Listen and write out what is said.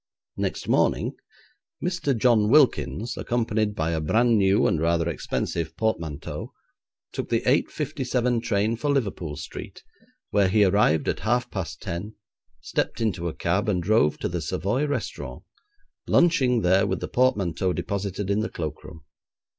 Next morning, Mr. John Wilkins, accompanied by a brand new and rather expensive portmanteau, took the 8.57 train for Liverpool Street, where he arrived at half past ten, stepped into a cab, and drove to the Savoy Restaurant, lunching there with the portmanteau deposited in the cloak room.